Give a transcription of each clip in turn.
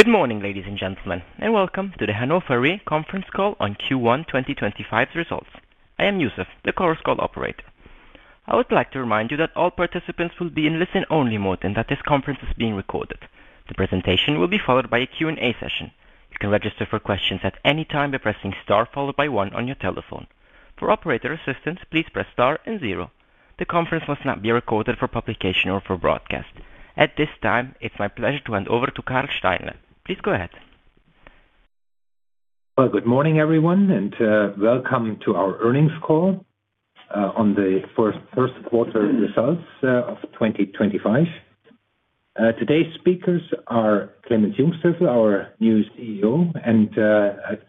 Good morning, ladies and gentlemen, and Welcome to the Hannover Rück conference call on Q1 2025 results. I am Yusuf, the call's call operator. I would like to remind you that all participants will be in listen-only mode and that this conference is being recorded. The presentation will be followed by a Q&A session. You can register for questions at any time by pressing star followed by one on your telephone. For operator assistance, please press star and zero. The conference must not be recorded for publication or for broadcast. At this time, it's my pleasure to hand over to Karl Steinle. Please go ahead. Good morning, everyone, and Welcome to our earnings call on the first quarter results of 2025. Today's speakers are Clemens Jungsthöfel, our new CEO, and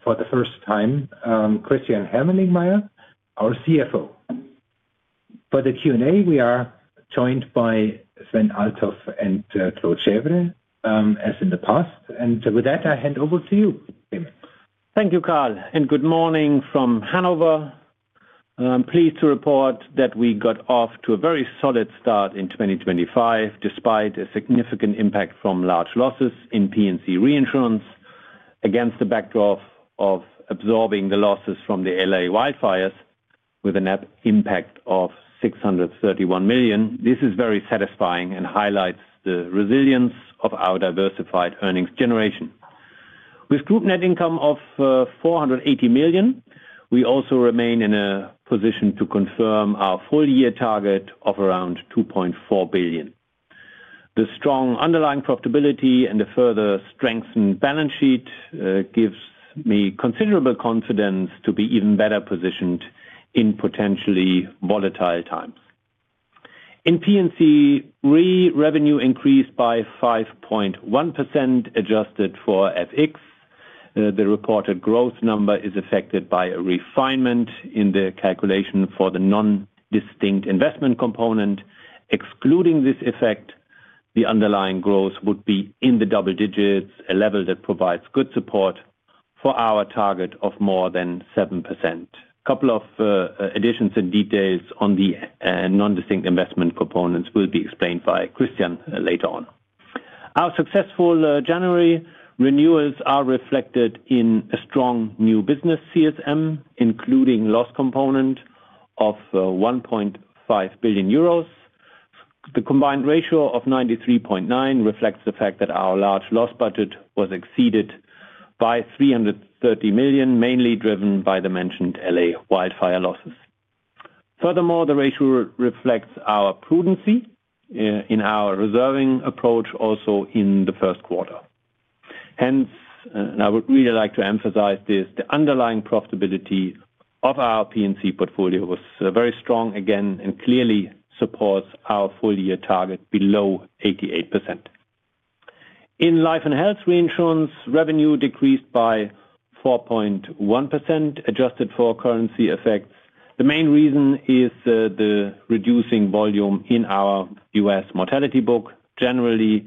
for the first time, Christian Hermelingmeier, our CFO. For the Q&A, we are joined by Sven Althoff and Claude Chèvre, as in the past. With that, I hand over to you, Clemens. Thank you, Karl, and good morning from Hannover. I'm pleased to report that we got off to a very solid start in 2025, despite a significant impact from large losses in P&C Reinsurance against the backdrop of absorbing the losses from the LA wildfires with an impact of 631 million. This is very satisfying and highlights the resilience of our diversified earnings generation. With group net income of 480 million, we also remain in a position to confirm our full-year target of around 2.4 billion. The strong underlying profitability and the further strengthened balance sheet gives me considerable confidence to be even better positioned in potentially volatile times. In P&C, re-revenue increased by 5.1%, adjusted for FX. The reported growth number is affected by a refinement in the calculation for the non-distinct investment component. Excluding this effect, the underlying growth would be in the double digits, a level that provides good support for our target of more than 7%. A couple of additions and details on the non-distinct investment components will be explained by Christian later on. Our successful January renewals are reflected in a strong new business CSM, including a loss component of 1.5 billion euros. The combined ratio of 93.9% reflects the fact that our large loss budget was exceeded by 330 million, mainly driven by the mentioned LA wildfire losses. Furthermore, the ratio reflects our prudency in our reserving approach also in the first quarter. Hence, and I would really like to emphasize this, the underlying profitability of our P&C portfolio was very strong again and clearly supports our full-year target below 88%. In Life and Health Reinsurance, revenue decreased by 4.1%, adjusted for currency effects. The main reason is the reducing volume in our U.S. mortality book. Generally,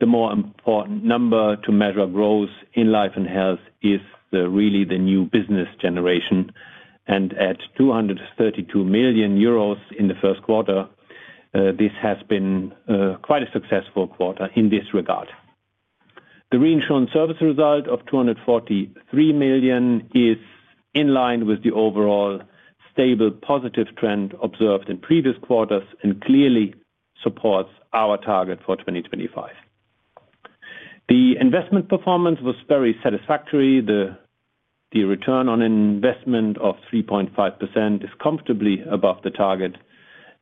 the more important number to measure growth in Life and Health is really the new business generation. At 232 million euros in the first quarter, this has been quite a successful quarter in this regard. The reinsurance service result of 243 million is in line with the overall stable positive trend observed in previous quarters and clearly supports our target for 2025. The investment performance was very satisfactory. The return on investment of 3.5% is comfortably above the target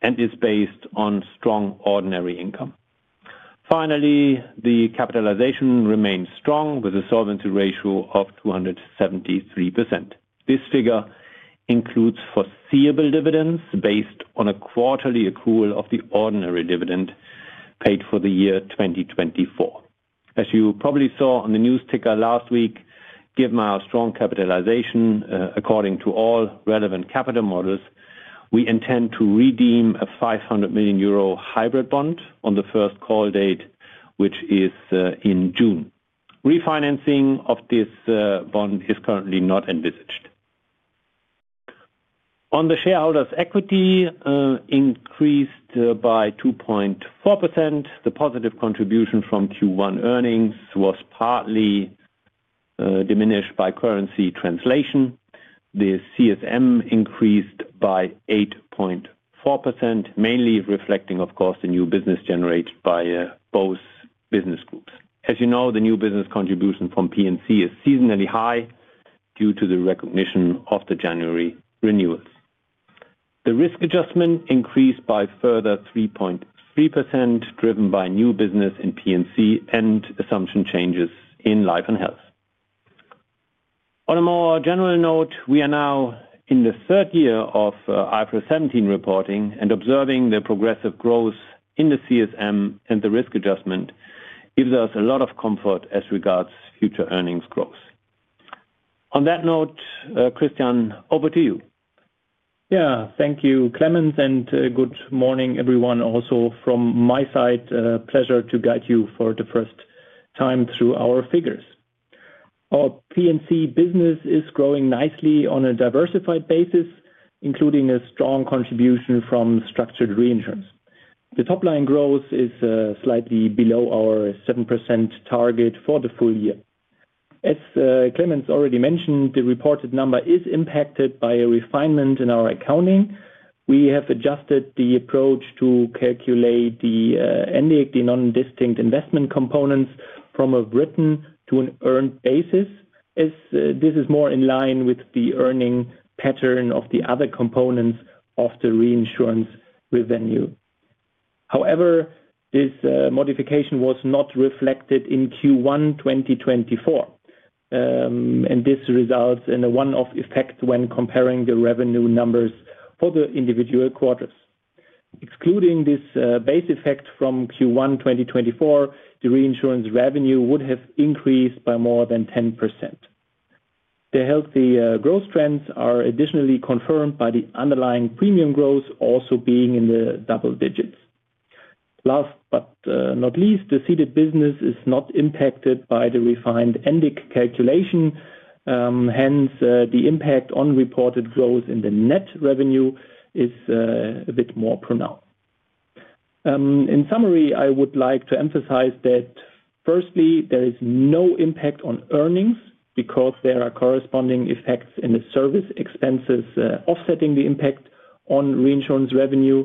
and is based on strong ordinary income. Finally, the capitalization remains strong with a solvency ratio of 273%. This figure includes foreseeable dividends based on a quarterly accrual of the ordinary dividend paid for the year 2024. As you probably saw on the news ticker last week, given our strong capitalization, according to all relevant capital models, we intend to redeem a 500 million euro hybrid bond on the first call date, which is in June. Refinancing of this bond is currently not envisaged. On the shareholders' equity, increased by 2.4%. The positive contribution from Q1 earnings was partly diminished by currency translation. The CSM increased by 8.4%, mainly reflecting, of course, the new business generated by both business groups. As you know, the new business contribution from P&C is seasonally high due to the recognition of the January renewals. The risk adjustment increased by further 3.3%, driven by new business in P&C and assumption changes in Life and Health. On a more general note, we are now in the third year of IFRS 17 reporting, and observing the progressive growth in the CSM and the risk adjustment gives us a lot of comfort as regards future earnings growth. On that note, Christian, over to you. Yeah, thank you, Clemens, and good morning, everyone. Also, from my side, a pleasure to guide you for the first time through our figures. Our P&C business is growing nicely on a diversified basis, including a strong contribution from structured reinsurance. The top-line growth is slightly below our 7% target for the full year. As Clemens already mentioned, the reported number is impacted by a refinement in our accounting. We have adjusted the approach to calculate the ending the non-distinct investment components from a written to an earned basis, as this is more in line with the earning pattern of the other components of the reinsurance revenue. However, this modification was not reflected in Q1 2024, and this results in a one-off effect when comparing the revenue numbers for the individual quarters. Excluding this base effect from Q1 2024, the reinsurance revenue would have increased by more than 10%. The healthy growth trends are additionally confirmed by the underlying premium growth also being in the double digits. Last but not least, the seeded business is not impacted by the refined ending calculation. Hence, the impact on reported growth in the net revenue is a bit more pronounced. In summary, I would like to emphasize that, firstly, there is no impact on earnings because there are corresponding effects in the service expenses offsetting the impact on reinsurance revenue.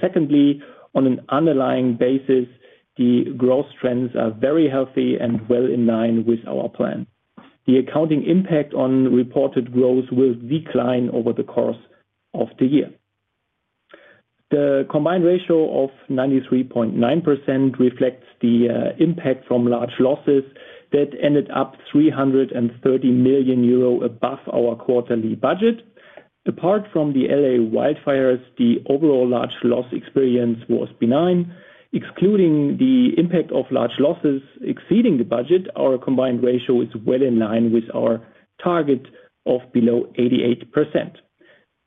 Secondly, on an underlying basis, the growth trends are very healthy and well in line with our plan. The accounting impact on reported growth will decline over the course of the year. The combined ratio of 93.9% reflects the impact from large losses that ended up 330 million euro above our quarterly budget. Apart from the LA wildfires, the overall large loss experience was benign. Excluding the impact of large losses exceeding the budget, our combined ratio is well in line with our target of below 88%.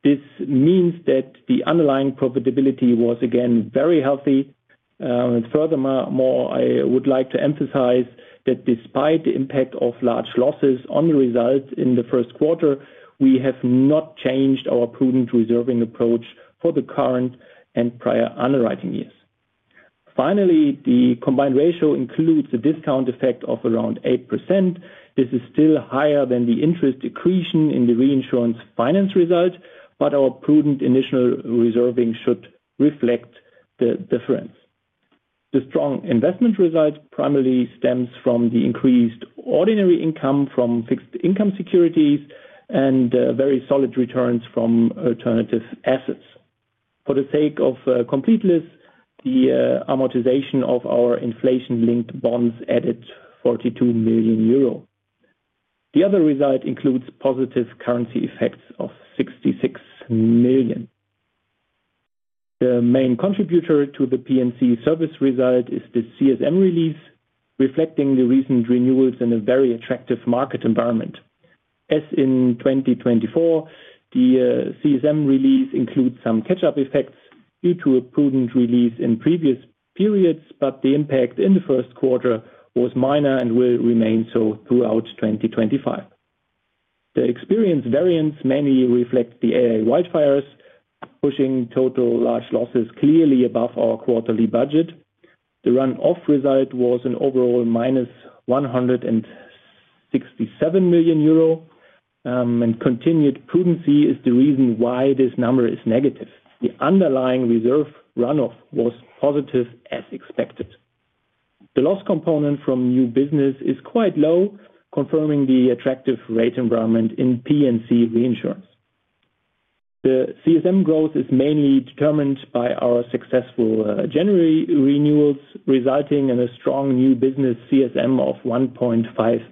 This means that the underlying profitability was again very healthy. Furthermore, I would like to emphasize that despite the impact of large losses on the results in the first quarter, we have not changed our prudent reserving approach for the current and prior underwriting years. Finally, the combined ratio includes a discount effect of around 8%. This is still higher than the interest accretion in the reinsurance finance result, but our prudent initial reserving should reflect the difference. The strong investment result primarily stems from the increased ordinary income from fixed income securities and very solid returns from alternative assets. For the sake of completeness, the amortization of our inflation-linked bonds added 42 million euro. The other result includes positive currency effects of 66 million. The main contributor to the P&C service result is the CSM release, reflecting the recent renewals in a very attractive market environment. As in 2024, the CSM release includes some catch-up effects due to a prudent release in previous periods, but the impact in the first quarter was minor and will remain so throughout 2025. The experience variants mainly reflect the LA wildfires, pushing total large losses clearly above our quarterly budget. The run-off result was an overall minus 167 million euro, and continued prudency is the reason why this number is negative. The underlying reserve run-off was positive, as expected. The loss component from new business is quite low, confirming the attractive rate environment in P&C Reinsurance. The CSM growth is mainly determined by our successful January renewals, resulting in a strong new business CSM of 1.5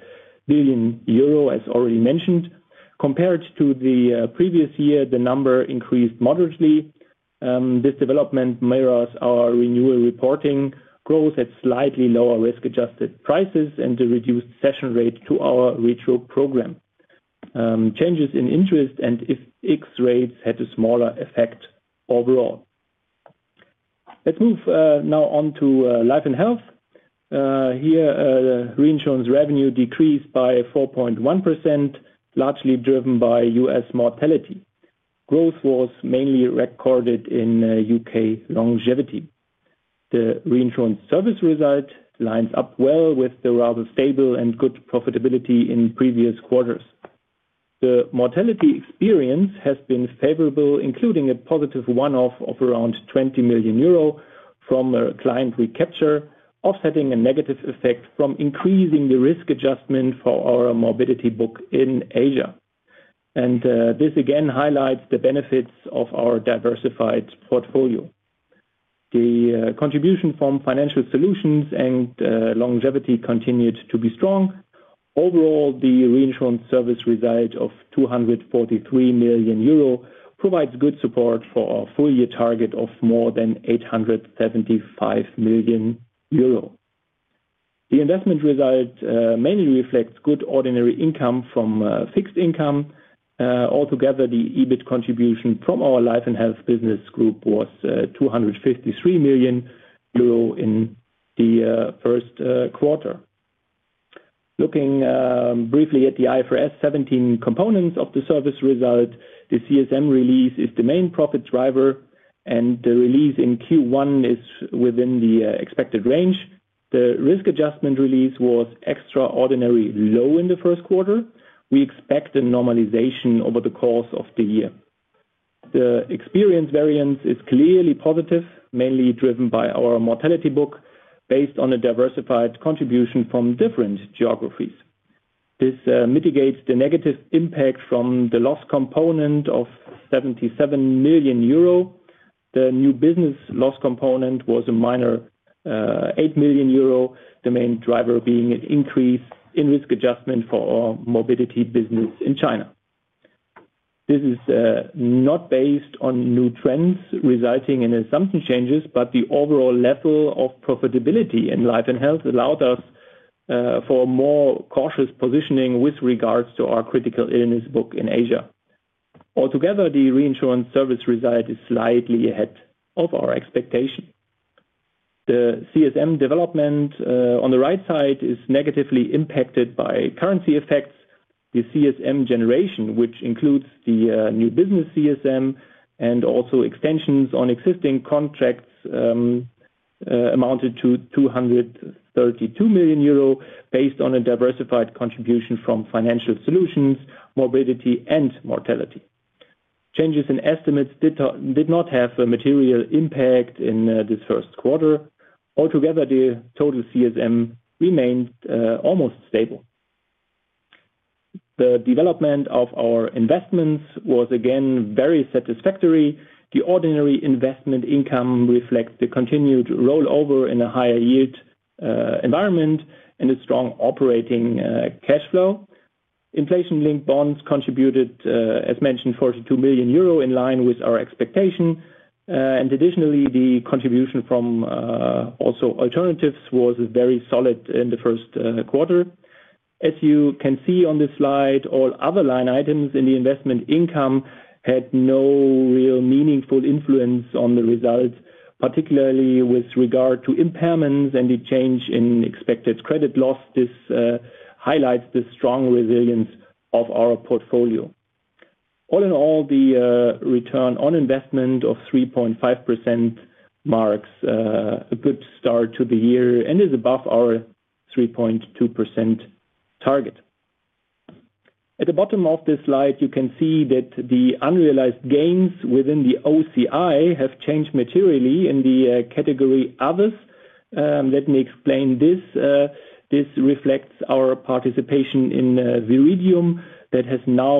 billion euro, as already mentioned. Compared to the previous year, the number increased moderately. This development mirrors our renewal reporting growth at slightly lower risk-adjusted prices and the reduced cession rate to our retro program. Changes in interest and FX rates had a smaller effect overall. Let's move now on to Life and Health. Here, reinsurance revenue decreased by 4.1%, largely driven by U.S. mortality. Growth was mainly recorded in U.K. longevity. The reinsurance service result lines up well with the rather stable and good profitability in previous quarters. The mortality experience has been favorable, including a positive one-off of around 20 million euro from a client recapture, offsetting a negative effect from increasing the risk adjustment for our morbidity book in Asia. This again highlights the benefits of our diversified portfolio. The contribution from financial solutions and longevity continued to be strong. Overall, the reinsurance service result of 243 million euro provides good support for our full-year target of more than 875 million euro. The investment result mainly reflects good ordinary income from fixed income. Altogether, the EBIT contribution from our Life and Health business group was 253 million euro in the first quarter. Looking briefly at the IFRS 17 components of the service result, the CSM release is the main profit driver, and the release in Q1 is within the expected range. The risk adjustment release was extraordinarily low in the first quarter. We expect a normalization over the course of the year. The experience variance is clearly positive, mainly driven by our mortality book based on a diversified contribution from different geographies. This mitigates the negative impact from the loss component of 77 million euro. The new business loss component was a minor 8 million euro, the main driver being an increase in risk adjustment for our morbidity business in China. This is not based on new trends resulting in assumption changes, but the overall level of profitability in Life and Health allowed us for more cautious positioning with regards to our critical illness book in Asia. Altogether, the reinsurance service result is slightly ahead of our expectation. The CSM development on the right side is negatively impacted by currency effects. The CSM generation, which includes the new business CSM and also extensions on existing contracts, amounted to 232 million euro based on a diversified contribution from financial solutions, morbidity, and mortality. Changes in estimates did not have a material impact in this first quarter. Altogether, the total CSM remained almost stable. The development of our investments was again very satisfactory. The ordinary investment income reflects the continued rollover in a higher yield environment and a strong operating cash flow. Inflation-linked bonds contributed, as mentioned, 42 million euro in line with our expectation. Additionally, the contribution from also alternatives was very solid in the first quarter. As you can see on this slide, all other line items in the investment income had no real meaningful influence on the result, particularly with regard to impairments and the change in expected credit loss. This highlights the strong resilience of our portfolio. All in all, the return on investment of 3.5% marks a good start to the year and is above our 3.2% target. At the bottom of this slide, you can see that the unrealized gains within the OCI have changed materially in the category others. Let me explain this. This reflects our participation in Viridium that has now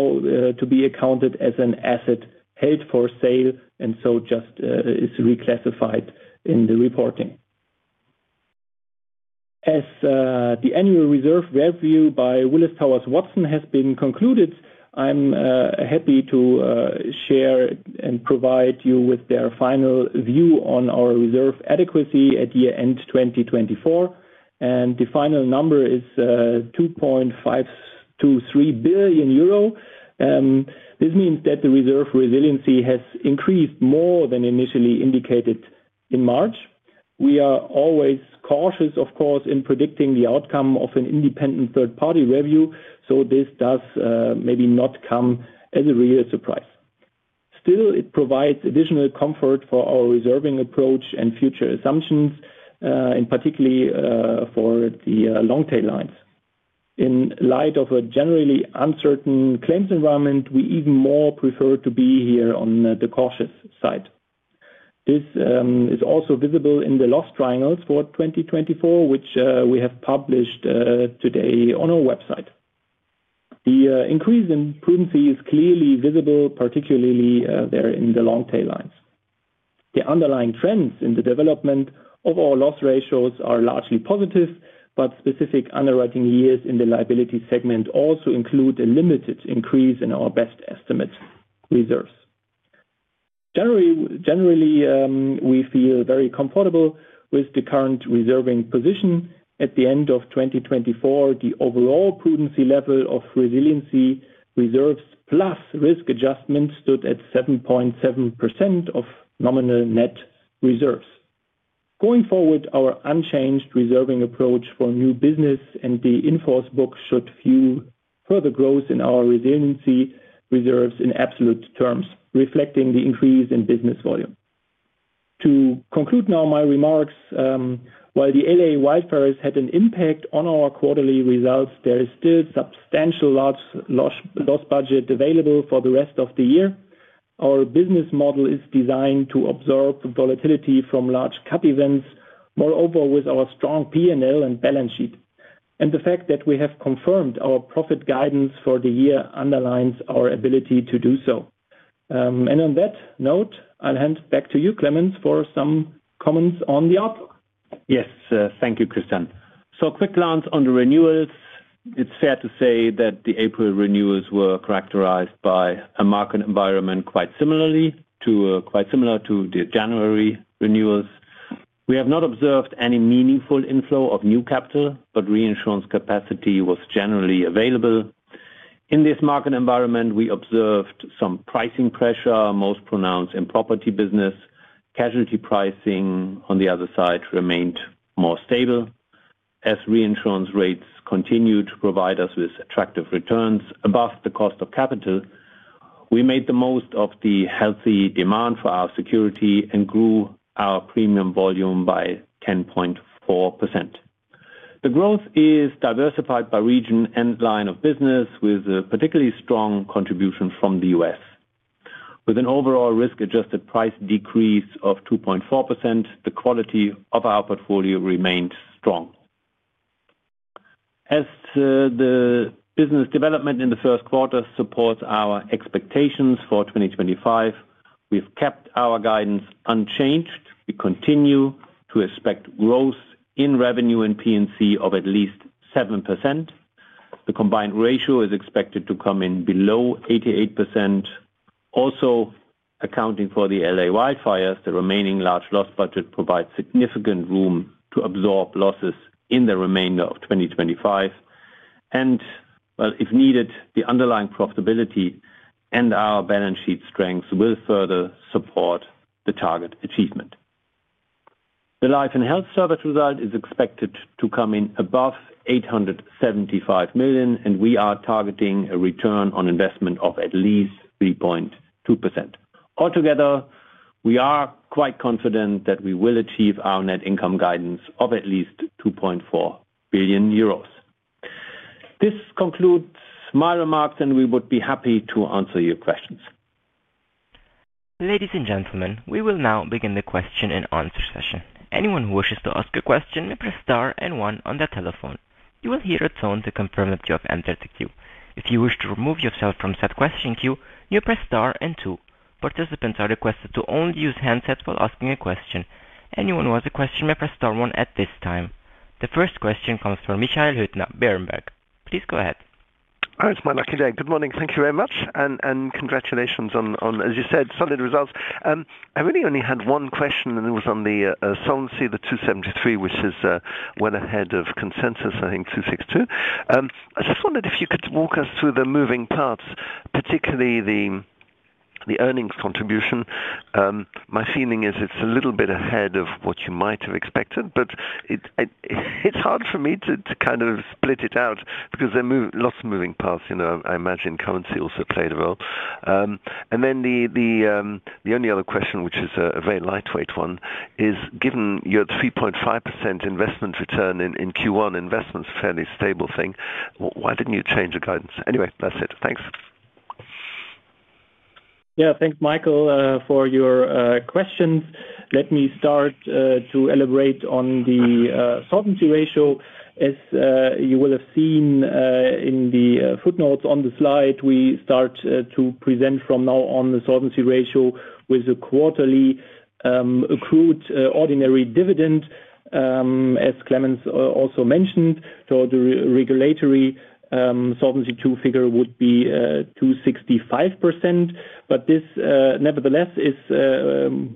to be accounted as an asset held for sale and so just is reclassified in the reporting. As the annual reserve review by Willis Towers Watson has been concluded, I'm happy to share and provide you with their final view on our reserve adequacy at year-end 2024. The final number is 2.523 billion euro. This means that the reserve resiliency has increased more than initially indicated in March. We are always cautious, of course, in predicting the outcome of an independent third-party review, so this does maybe not come as a real surprise. Still, it provides additional comfort for our reserving approach and future assumptions, in particularly for the long-tail lines. In light of a generally uncertain claims environment, we even more prefer to be here on the cautious side. This is also visible in the loss triangles for 2024, which we have published today on our website. The increase in prudency is clearly visible, particularly there in the long-tail lines. The underlying trends in the development of our loss ratios are largely positive, but specific underwriting years in the liability segment also include a limited increase in our best estimate reserves. Generally, we feel very comfortable with the current reserving position. At the end of 2024, the overall prudency level of resiliency reserves plus risk adjustment stood at 7.7% of nominal net reserves. Going forward, our unchanged reserving approach for new business and the inforce book should fuel further growth in our resiliency reserves in absolute terms, reflecting the increase in business volume. To conclude now my remarks, while the LA wildfires had an impact on our quarterly results, there is still substantial loss budget available for the rest of the year. Our business model is designed to absorb volatility from large cap events, moreover with our strong P&L and balance sheet. The fact that we have confirmed our profit guidance for the year underlines our ability to do so. On that note, I'll hand back to you, Clemens, for some comments on the outlook. Yes, thank you, Christian. A quick glance on the renewals. It's fair to say that the April renewals were characterized by a market environment quite similar to the January renewals. We have not observed any meaningful inflow of new capital, but reinsurance capacity was generally available. In this market environment, we observed some pricing pressure, most pronounced in property business. Casualty pricing, on the other side, remained more stable. As reinsurance rates continued to provide us with attractive returns above the cost of capital, we made the most of the healthy demand for our security and grew our premium volume by 10.4%. The growth is diversified by region and line of business, with a particularly strong contribution from the U.S. With an overall risk-adjusted price decrease of 2.4%, the quality of our portfolio remained strong. As the business development in the first quarter supports our expectations for 2025, we've kept our guidance unchanged. We continue to expect growth in revenue and P&C of at least 7%. The combined ratio is expected to come in below 88%. Also, accounting for the LA wildfires, the remaining large loss budget provides significant room to absorb losses in the remainder of 2025. If needed, the underlying profitability and our balance sheet strength will further support the target achievement. The Life and Health service result is expected to come in above 875 million, and we are targeting a return on investment of at least 3.2%. Altogether, we are quite confident that we will achieve our net income guidance of at least 2.4 billion euros. This concludes my remarks, and we would be happy to answer your questions. Ladies and gentlemen, we will now begin the question and answer session. Anyone who wishes to ask a question may press star and one on their telephone. You will hear a tone to confirm that you have entered the queue. If you wish to remove yourself from said question queue, you press star and two. Participants are requested to only use handsets while asking a question. Anyone who has a question may press star one at this time. The first question comes from Michael Hüttner, Berenberg. Please go ahead. It's my lucky day. Good morning. Thank you very much. And congratulations on, as you said, solid results. I really only had one question, and it was on the Solvency, the 273%, which is well ahead of consensus, I think 262%. I just wondered if you could walk us through the moving parts, particularly the earnings contribution. My feeling is it's a little bit ahead of what you might have expected, but it's hard for me to kind of split it out because there are lots of moving parts. I imagine currency also played a role. And then the only other question, which is a very lightweight one, is given your 3.5% investment return in Q1, investment is a fairly stable thing, why didn't you change the guidance? Anyway, that's it. Thanks. Yeah, thanks, Michael, for your questions. Let me start to elaborate on the solvency ratio. As you will have seen in the footnotes on the slide, we start to present from now on the solvency ratio with a quarterly accrued ordinary dividend. As Clemens also mentioned, the regulatory Solvency II figure would be 265%, but this nevertheless is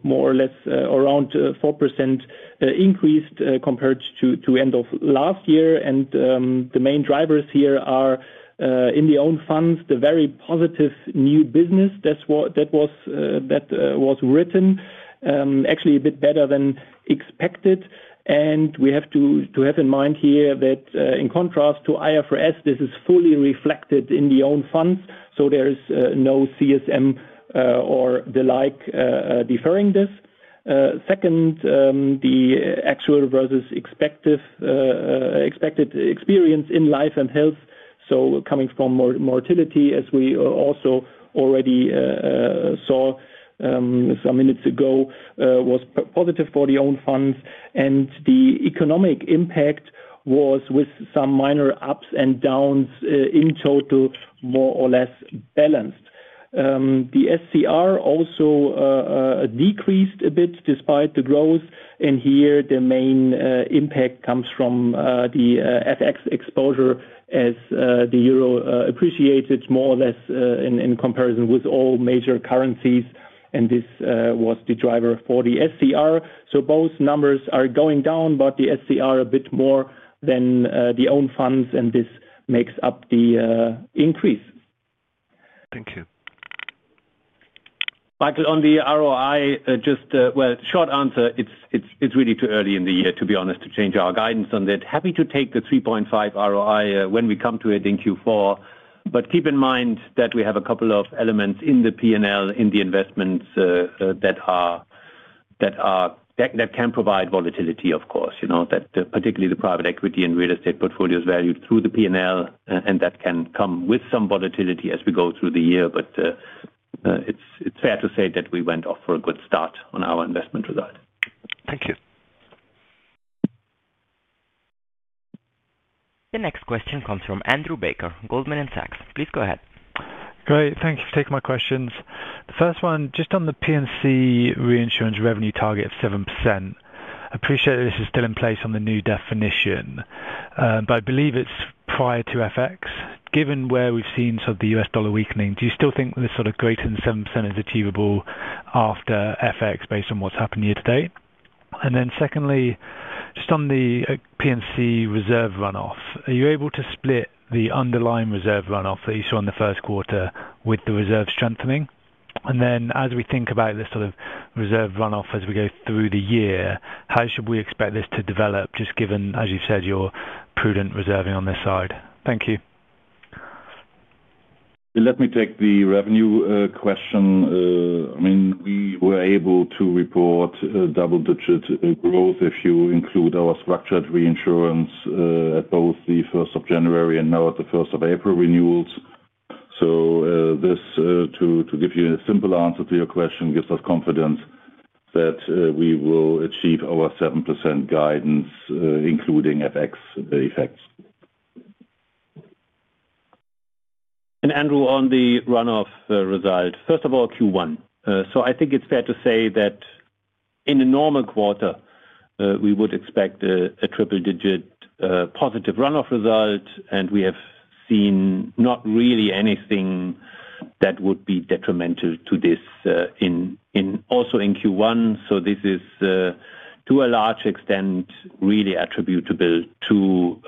more or less around 4% increased compared to end of last year. The main drivers here are in the own funds, the very positive new business that was written, actually a bit better than expected. We have to have in mind here that in contrast to IFRS, this is fully reflected in the own funds, so there is no CSM or the like deferring this. Second, the actual versus expected experience in Life and Health, so coming from mortality, as we also already saw some minutes ago, was positive for the own funds. The economic impact was, with some minor ups and downs, in total more or less balanced. The SCR also decreased a bit despite the growth. Here, the main impact comes from the FX exposure as the euro appreciated more or less in comparison with all major currencies. This was the driver for the SCR. Both numbers are going down, but the SCR a bit more than the own funds, and this makes up the increase. Thank you. Michael, on the ROI, just a short answer. It's really too early in the year, to be honest, to change our guidance on that. Happy to take the 3.5% ROI when we come to it in Q4. Keep in mind that we have a couple of elements in the P&L, in the investments that can provide volatility, of course, particularly the private equity and real estate portfolios valued through the P&L, and that can come with some volatility as we go through the year. It's fair to say that we went off for a good start on our investment result. Thank you. The next question comes from Andrew Baker, Goldman Sachs. Please go ahead. Great. Thank you for taking my questions. The first one, just on the P&C Reinsurance revenue target of 7%. I appreciate this is still in place on the new definition, but I believe it's prior to FX. Given where we've seen sort of the U.S. dollar weakening, do you still think this sort of greater than 7% is achievable after FX based on what's happened year to date? Secondly, just on the P&C reserve runoff, are you able to split the underlying reserve runoff that you saw in the first quarter with the reserve strengthening? As we think about this sort of reserve runoff as we go through the year, how should we expect this to develop, just given, as you've said, your prudent reserving on this side? Thank you. Let me take the revenue question. I mean, we were able to report double-digit growth if you include our structured reinsurance at both the 1st of January and now at the 1st of April renewals. To give you a simple answer to your question, this gives us confidence that we will achieve our 7% guidance, including FX effects. Andrew, on the runoff result, first of all, Q1. I think it is fair to say that in a normal quarter, we would expect a triple-digit positive runoff result, and we have seen not really anything that would be detrimental to this also in Q1. This is, to a large extent, really attributable to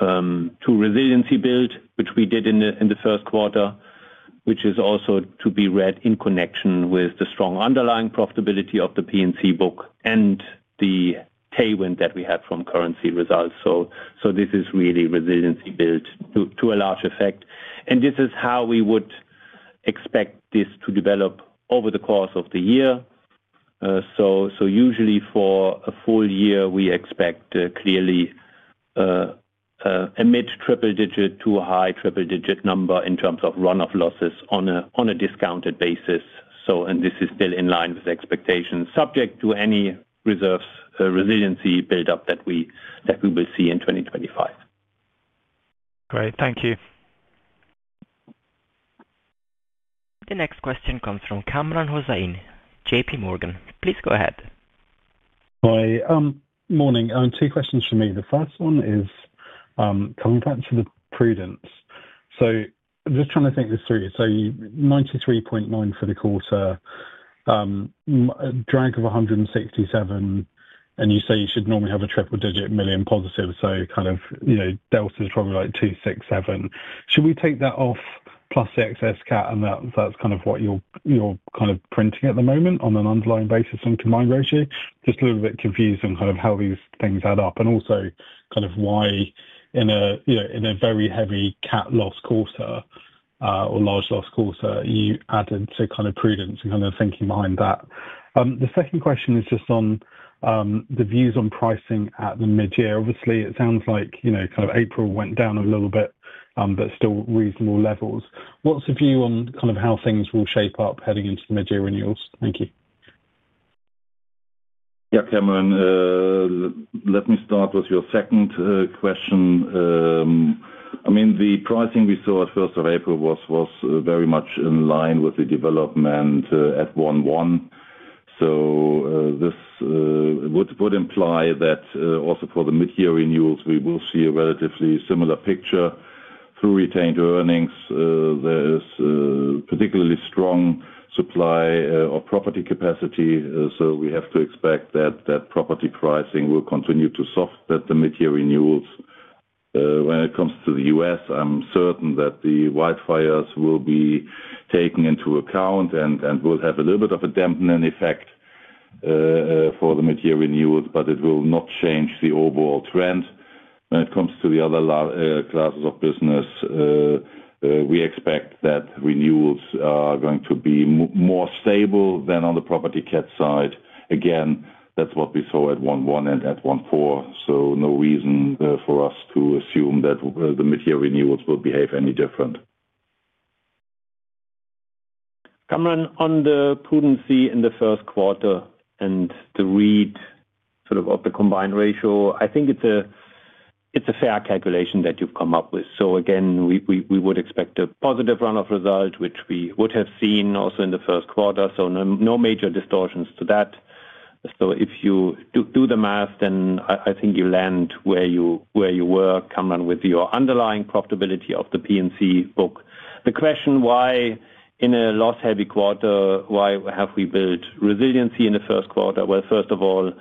resiliency build, which we did in the first quarter, which is also to be read in connection with the strong underlying profitability of the P&C book and the tailwind that we had from currency results. This is really resiliency build to a large effect. This is how we would expect this to develop over the course of the year. Usually for a full year, we expect clearly a mid-triple-digit to a high triple-digit number in terms of runoff losses on a discounted basis. This is still in line with expectations, subject to any resiliency build-up that we will see in 2025. Great. Thank you. The next question comes from Kamran Hossain, JPMorgan. Please go ahead. Hi. Morning. Two questions for me. The first one is coming back to the prudence. Just trying to think this through. 93.9 million for the quarter, drag of 167 million, and you say you should normally have a triple-digit million positive. Kind of delta is probably like 267 million. Should we take that off plus the excess cap? That is kind of what you are printing at the moment on an underlying basis and combined ratio. Just a little bit confused on kind of how these things add up and also kind of why in a very heavy cap loss quarter or large loss quarter, you added to kind of prudence and kind of thinking behind that. The second question is just on the views on pricing at the mid-year. Obviously, it sounds like kind of April went down a little bit, but still reasonable levels. What's the view on kind of how things will shape up heading into the mid-year renewals? Thank you. Yeah, Kamran, let me start with your second question. I mean, the pricing we saw at 1st of April was very much in line with the development at 1.1. This would imply that also for the mid-year renewals, we will see a relatively similar picture through retained earnings. There is particularly strong supply or property capacity. We have to expect that property pricing will continue to soften at the mid-year renewals. When it comes to the U.S., I'm certain that the wildfires will be taken into account and will have a little bit of a dampening effect for the mid-year renewals, but it will not change the overall trend. When it comes to the other classes of business, we expect that renewals are going to be more stable than on the property cat side. Again, that's what we saw at 1.1 and at 1.4. No reason for us to assume that the mid-year renewals will behave any different. Kamran, on the prudency in the first quarter and the read sort of of the combined ratio, I think it's a fair calculation that you've come up with. So again, we would expect a positive runoff result, which we would have seen also in the first quarter. No major distortions to that. If you do the math, then I think you land where you were, Kamran, with your underlying profitability of the P&C book. The question, why in a loss-heavy quarter, why have we built resiliency in the first quarter? First of all,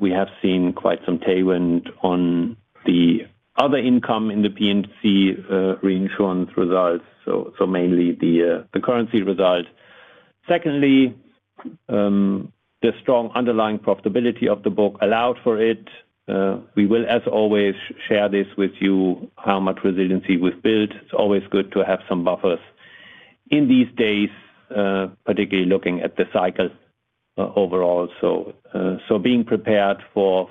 we have seen quite some tailwind on the other income in the P&C Reinsurance results, mainly the currency result. Secondly, the strong underlying profitability of the book allowed for it. We will, as always, share this with you, how much resiliency we've built. It's always good to have some buffers in these days, particularly looking at the cycle overall. Being prepared for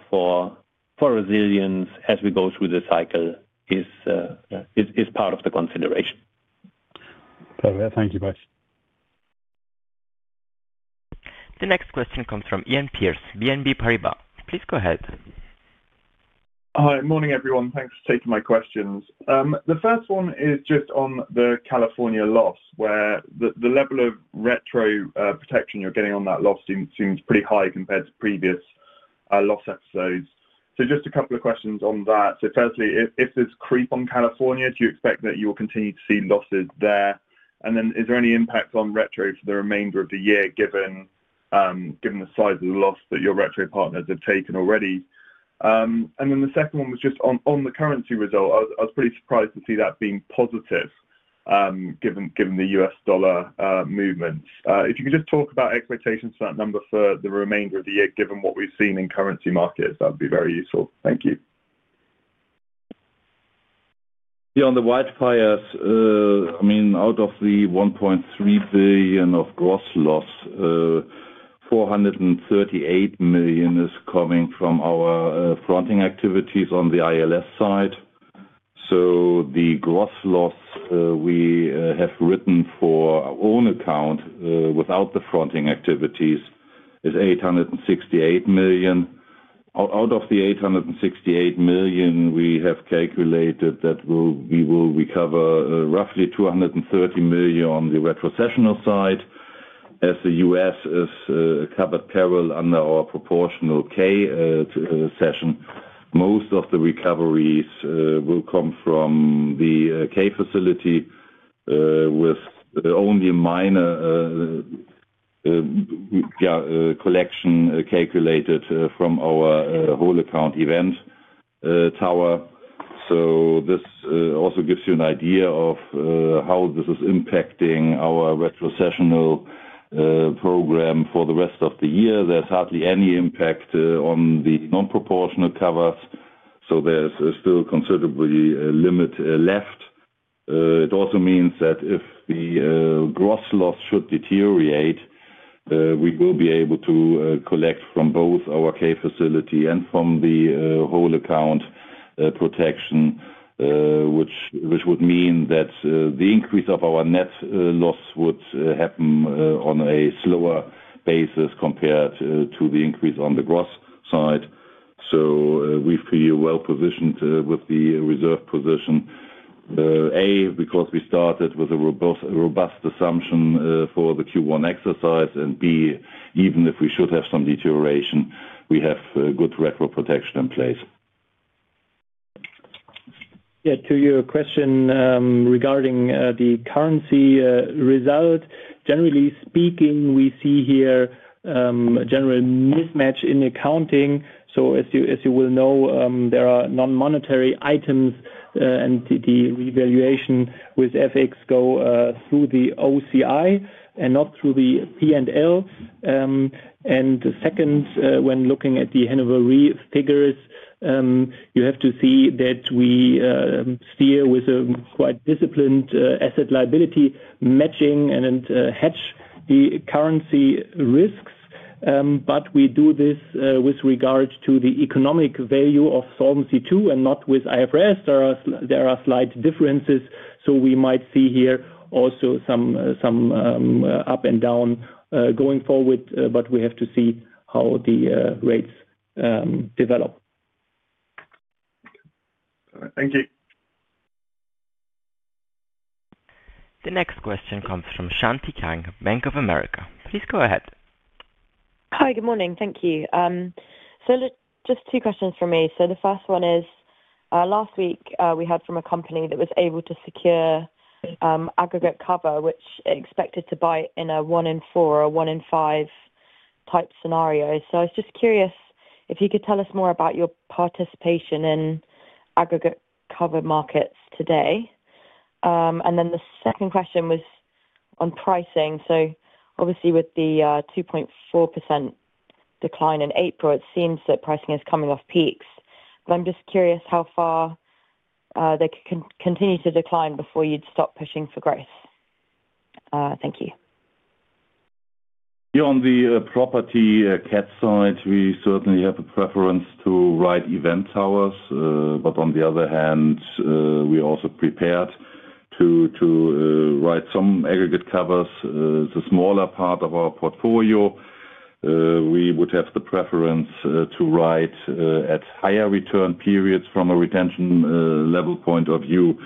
resilience as we go through the cycle is part of the consideration. Thank you both. The next question comes from Iain Pearce, BNP Paribas. Please go ahead. Hi. Morning, everyone. Thanks for taking my questions. The first one is just on the California loss, where the level of retro protection you're getting on that loss seems pretty high compared to previous loss episodes. Just a couple of questions on that. Firstly, if there's creep on California, do you expect that you will continue to see losses there? Is there any impact on retro for the remainder of the year, given the size of the loss that your retro partners have taken already? The second one was just on the currency result. I was pretty surprised to see that being positive, given the U.S. dollar movements. If you could just talk about expectations for that number for the remainder of the year, given what we've seen in currency markets, that would be very useful. Thank you. On the wildfires, I mean, out of the 1.3 billion of gross loss, 438 million is coming from our fronting activities on the ILS side. So the gross loss we have written for our own account without the fronting activities is 868 million. Out of the 868 million, we have calculated that we will recover roughly 230 million on the retrocessional side. As the U.S. is covered parallel under our proportional K session, most of the recoveries will come from the K facility with only minor collection calculated from our whole account event tower. This also gives you an idea of how this is impacting our retrocessional program for the rest of the year. There's hardly any impact on the non-proportional covers. So there's still considerably a limit left. It also means that if the gross loss should deteriorate, we will be able to collect from both our K facility and from the whole account protection, which would mean that the increase of our net loss would happen on a slower basis compared to the increase on the gross side. We feel well positioned with the reserve position, A, because we started with a robust assumption for the Q1 exercise, and B, even if we should have some deterioration, we have good retro protection in place. Yeah. To your question regarding the currency result, generally speaking, we see here a general mismatch in accounting. As you will know, there are non-monetary items, and the revaluation with FX go through the OCI and not through the P&L. Second, when looking at the Hannover Re figures, you have to see that we steer with a quite disciplined asset liability matching and hedge the currency risks. We do this with regard to the economic value of Solvency II and not with IFRS. There are slight differences. We might see here also some up and down going forward, but we have to see how the rates develop. Thank you. The next question comes from Shanti Kang, Bank of America. Please go ahead. Hi. Good morning. Thank you. Just two questions for me. The first one is, last week, we had from a company that was able to secure aggregate cover, which expected to buy in a 1-in-4 or 1-in-5 type scenario. I was just curious if you could tell us more about your participation in aggregate cover markets today. The second question was on pricing. Obviously, with the 2.4% decline in April, it seems that pricing is coming off peaks. I am just curious how far they can continue to decline before you would stop pushing for growth. Thank you. On the property cat side, we certainly have a preference to write event towers. On the other hand, we are also prepared to write some aggregate covers. It is a smaller part of our portfolio. We would have the preference to write at higher return periods from a retention level point of view.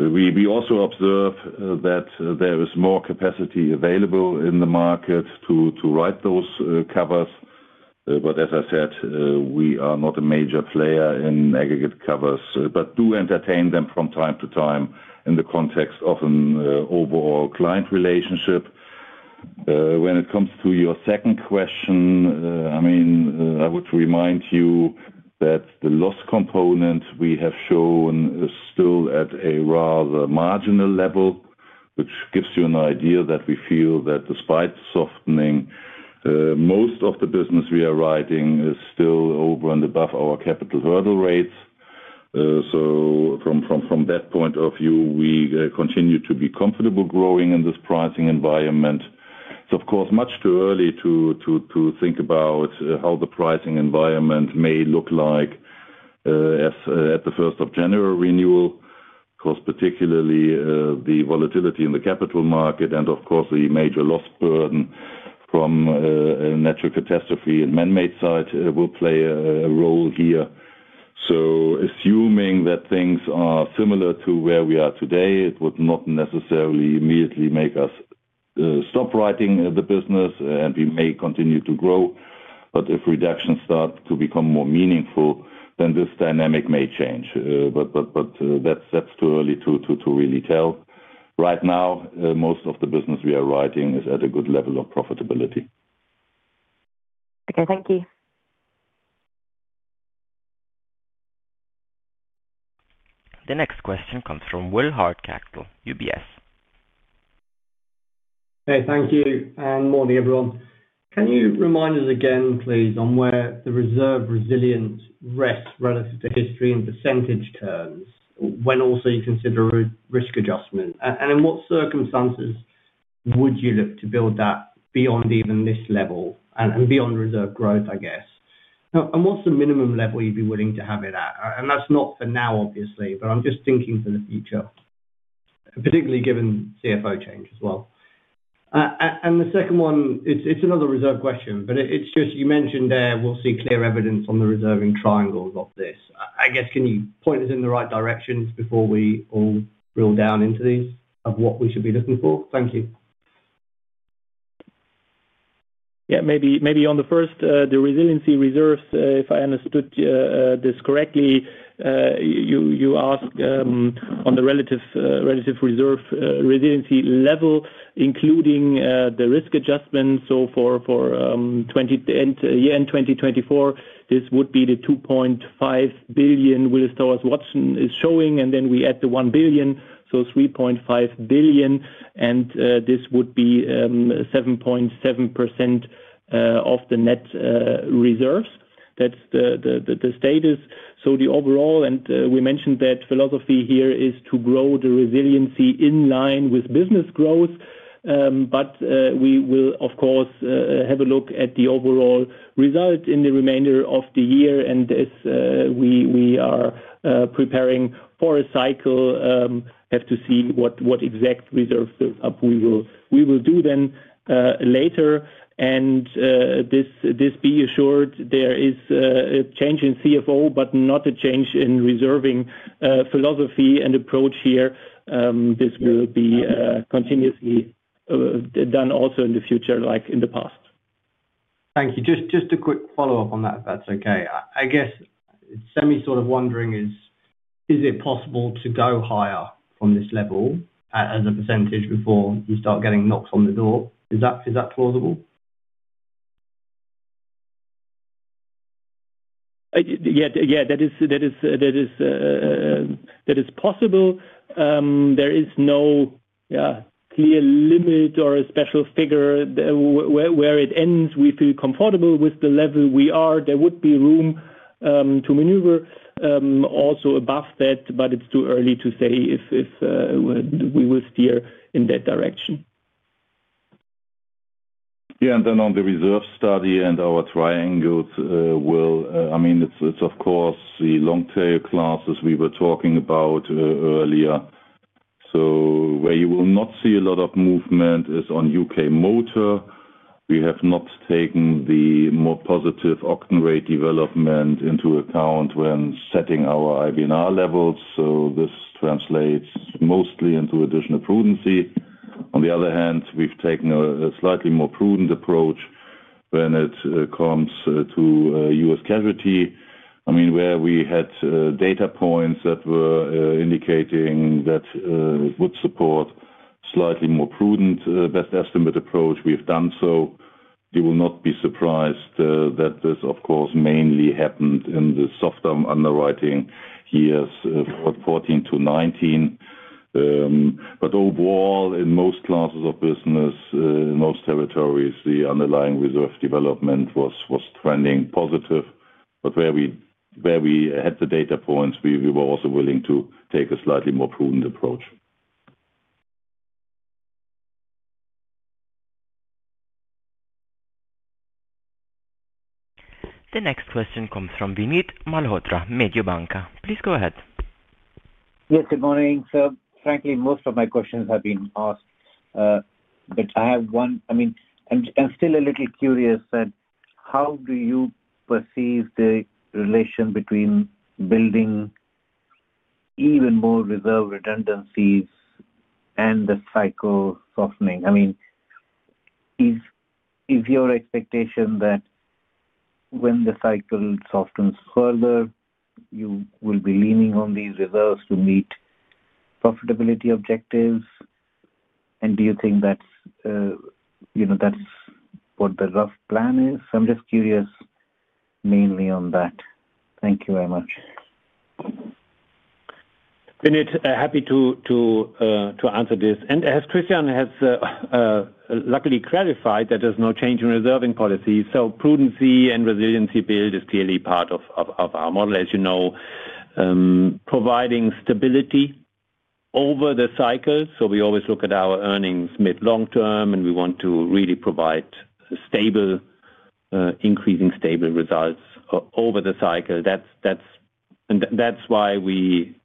We also observe that there is more capacity available in the market to write those covers. As I said, we are not a major player in aggregate covers, but do entertain them from time to time in the context of an overall client relationship. When it comes to your second question, I mean, I would remind you that the loss component we have shown is still at a rather marginal level, which gives you an idea that we feel that despite softening, most of the business we are writing is still over and above our capital hurdle rates. From that point of view, we continue to be comfortable growing in this pricing environment. It is, of course, much too early to think about how the pricing environment may look like at the 1st of January renewal, because particularly the volatility in the capital market and, of course, the major loss burden from a natural catastrophe in manmade site will play a role here. Assuming that things are similar to where we are today, it would not necessarily immediately make us stop writing the business, and we may continue to grow. If reductions start to become more meaningful, then this dynamic may change. That is too early to really tell. Right now, most of the business we are writing is at a good level of profitability. Okay. Thank you. The next question comes from Will Hardcastle, UBS. Hey, thank you. And morning, everyone. Can you remind us again, please, on where the reserve resilience rests relative to history in percentage terms when also you consider risk adjustment? In what circumstances would you look to build that beyond even this level and beyond reserve growth, I guess? What is the minimum level you would be willing to have it at? That is not for now, obviously, but I am just thinking for the future, particularly given CFO change as well. The second one, it's another reserve question, but it's just you mentioned there we'll see clear evidence on the reserving triangles of this. I guess, can you point us in the right directions before we all drill down into these of what we should be looking for? Thank you. Yeah. Maybe on the first, the resiliency reserves, if I understood this correctly, you asked on the relative resiliency level, including the risk adjustment. For year end 2024, this would be the 2.5 billion Willis Towers Watson is showing, and then we add the 1 billion, so 3.5 billion. This would be 7.7% of the net reserves. That's the status. The overall, and we mentioned that philosophy here is to grow the resiliency in line with business growth. We will, of course, have a look at the overall result in the remainder of the year. As we are preparing for a cycle, we have to see what exact reserves we will do then later. Be assured, there is a change in CFO, but not a change in reserving philosophy and approach here. This will be continuously done also in the future, like in the past. Thank you. Just a quick follow-up on that, if that's okay. I guess semi sort of wondering, is it possible to go higher from this level as a percentage before you start getting knocks on the door? Is that possible? Yeah. Yeah. That is possible. There is no clear limit or a special figure where it ends. We feel comfortable with the level we are. There would be room to maneuver also above that, but it's too early to say if we will steer in that direction. Yeah. On the reserve study and our triangles, I mean, it's, of course, the long-tail classes we were talking about earlier. Where you will not see a lot of movement is on U.K. Motor. We have not taken the more positive auction rate development into account when setting our IBNR levels. This translates mostly into additional prudency. On the other hand, we've taken a slightly more prudent approach when it comes to U.S. casualty. I mean, where we had data points that were indicating that it would support a slightly more prudent best estimate approach, we've done so. You will not be surprised that this, of course, mainly happened in the soft-arm underwriting years 2014-2019. Overall, in most classes of business, in most territories, the underlying reserve development was trending positive. Where we had the data points, we were also willing to take a slightly more prudent approach. The next question comes from Vinit Malhotra, Mediobanca. Please go ahead. Yes. Good morning, sir. Frankly, most of my questions have been asked, but I have one. I mean, I'm still a little curious that how do you perceive the relation between building even more reserve redundancies and the cycle softening? I mean, is your expectation that when the cycle softens further, you will be leaning on these reserves to meet profitability objectives? Do you think that's what the rough plan is? I'm just curious mainly on that. Thank you very much. Vinit, happy to answer this. As Christian has luckily clarified, there is no change in reserving policy. Prudency and resiliency build is clearly part of our model, as you know, providing stability over the cycle. We always look at our earnings mid-long term, and we want to really provide increasing stable results over the cycle. That is why we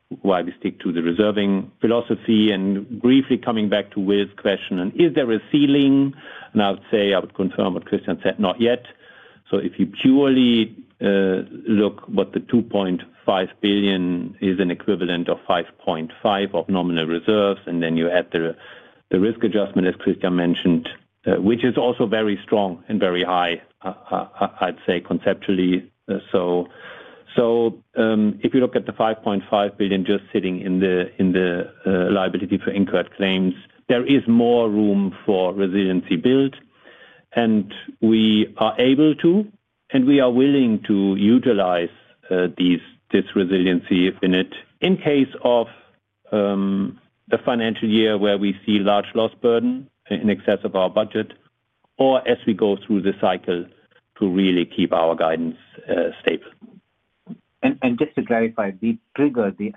stick to the reserving philosophy. Briefly coming back to Will's question, is there a ceiling? I would say I would confirm what Christian said, not yet. If you purely look what the 2.5 billion is, an equivalent of 5.5 billion of nominal reserves, and then you add the risk adjustment, as Christian mentioned, which is also very strong and very high, I would say, conceptually. If you look at the 5.5 billion just sitting in the liability for incurred claims, there is more room for resiliency build. We are able to, and we are willing to utilize this resiliency in it in case of the financial year where we see large loss burden in excess of our budget, or as we go through the cycle to really keep our guidance stable. Just to clarify, the trigger, the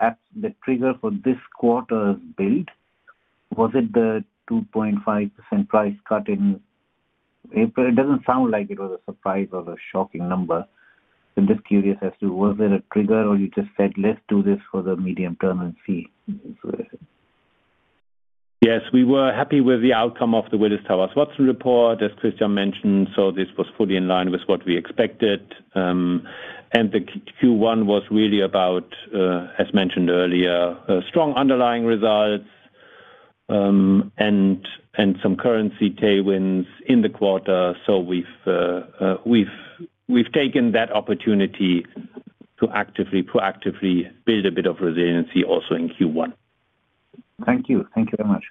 trigger for this quarter's build, was it the 2.5% price cut in April? It does not sound like it was a surprise or a shocking number. I am just curious as to, was it a trigger, or you just said, "Let's do this for the medium term and see"? Yes. We were happy with the outcome of the Willis Towers Watson report, as Christian mentioned. This was fully in line with what we expected. The Q1 was really about, as mentioned earlier, strong underlying results and some currency tailwinds in the quarter. We've taken that opportunity to proactively build a bit of resiliency also in Q1. Thank you. Thank you very much.